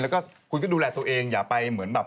แล้วก็คุณก็ดูแลตัวเองอย่าไปเหมือนแบบ